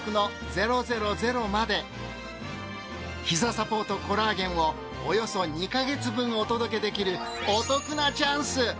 ひざサポートコラーゲンをおよそ２ヵ月分お届けできるお得なチャンス。